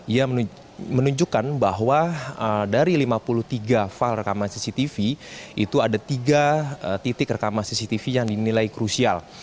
ia menunjukkan bahwa dari lima puluh tiga file rekaman cctv itu ada tiga titik rekaman cctv yang dinilai krusial